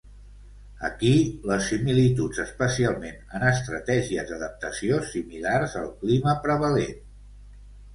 Aquí, les similituds, especialment en estratègies d'adaptació similars al clima prevalent.